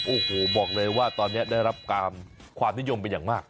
โอ้โหบอกเลยว่าตอนนี้ได้รับการความนิยมเป็นอย่างมาก